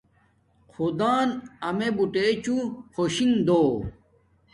خدان امیے بوٹچوں خوشنگ دو